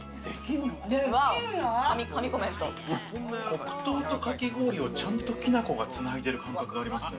黒糖とかき氷を、ちゃんときなこがつないでる感覚がありますね。